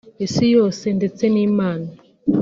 isi yose ndetse n’Imana